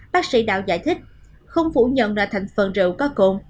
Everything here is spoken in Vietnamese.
bác sĩ đạo giải thích không phủ nhận là thành phần rượu có cồn